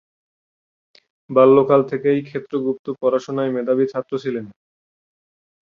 বাল্যকাল থেকেই ক্ষেত্র গুপ্ত পড়াশোনায় মেধাবী ছাত্র ছিলেন।